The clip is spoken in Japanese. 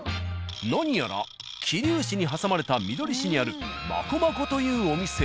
何やら桐生市に挟まれたみどり市にある「マコマコ」というお店。